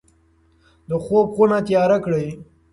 د خوب خونه تیاره کړئ.